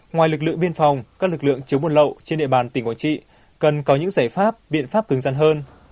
ngoài lực lượng biên phòng các lực lượng chống buôn lậu trên địa bàn tỉnh quảng trị cần có những giải pháp biện pháp cứng rắn hơn